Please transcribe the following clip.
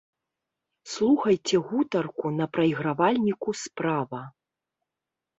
Слухайце гутарку на прайгравальніку справа.